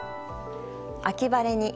秋晴れに。